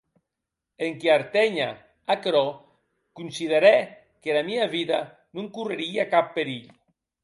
Enquia arténher aquerò considerè qu’era mia vida non correrie cap perilh.